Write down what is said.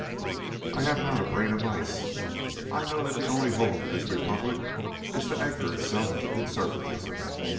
"I have not a brain of ice. I know that the only hope for this Republic is to anchor itself to conservatism.